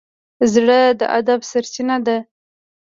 زړه د ادب سرچینه ده.